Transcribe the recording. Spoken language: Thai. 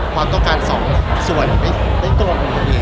ความต้องการสองส่วนในตัวผมนี้